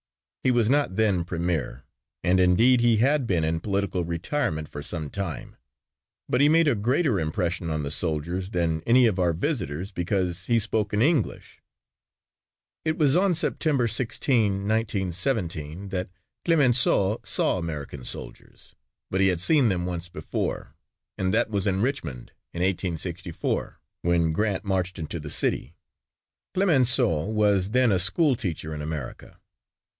He was not then premier and indeed he had been in political retirement for some time, but he made a greater impression on the soldiers than any of our visitors because he spoke in English. It was on September 16, 1917, that Clemenceau saw American soldiers, but he had seen them once before and that was in Richmond in 1864 when Grant marched into the city. Clemenceau was then a school teacher in America.